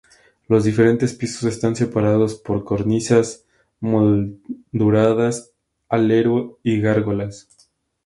Los diferentes pisos están separados por cornisas molduradas, alero y gárgolas.